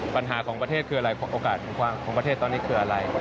ปัญหาของประเทศคืออะไรโอกาสของประเทศตอนนี้คืออะไร